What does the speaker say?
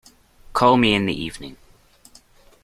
Call me in the evening.